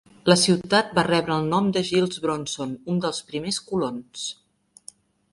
La ciutat va rebre el nom de Giles Bronson, un dels primers colons.